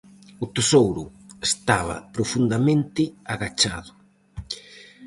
O tesouro estaba profundamente agachado.